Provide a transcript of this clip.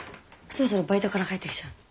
そろそろバイトから帰ってきちゃうんで。